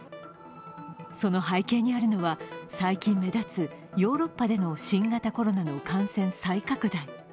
その背景にあるのは最近目立つ、ヨーロッパでの新型コロナの感染再拡大。